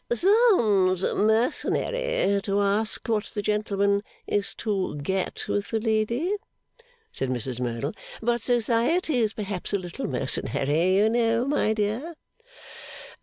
'Sounds mercenary to ask what the gentleman is to get with the lady,' said Mrs Merdle; 'but Society is perhaps a little mercenary, you know, my dear.